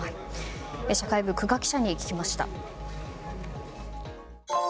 社会部、空閑記者に聞きました。